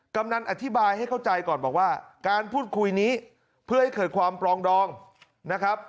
กำนันอธิบายให้เข้าใจก่อนบอกว่าการพูดคุยนี้เพื่อให้เกิดความปลองดองนะครับ